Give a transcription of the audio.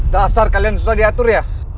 dasar kalian susah diatur ya